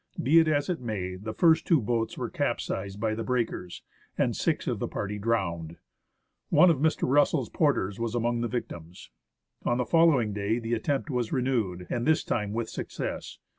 Be it as it may, the first two boats were capsized by the breakers, and six of the party drowned. One of Mr. Russell's porters was among the victims. On the following day the attempt was renewed, and this time with success.